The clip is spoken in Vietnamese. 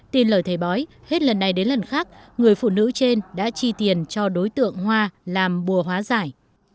tin lời thầy bói hết lần này đến lần khác người phụ nữ trên đã chi tiền cho đối tượng hoa làm bùa hóa giải